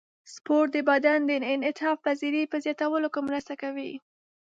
سپورت د بدن د انعطاف پذیرۍ په زیاتولو کې مرسته کوي.